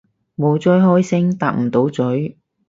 冇追開星搭唔到咀